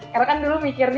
karena kan dulu mikirnya